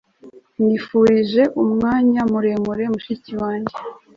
Nifurije umwanya muremure mushiki wanjye